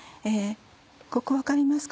ここ分かりますか？